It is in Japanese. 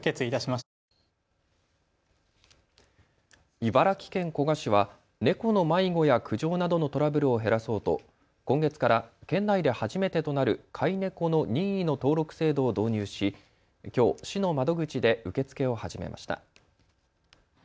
茨城県古河市は猫の迷子や苦情などのトラブルを減らそうと今月から県内で初めてとなる飼い猫の任意の登録制度を導入しきょう市の窓口で受け付けを始めました。